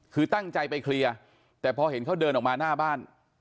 คือตั้งใจไปเคลียร์แต่พอเห็นเขาเดินออกมาหน้าบ้าน